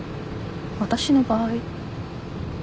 私の場合？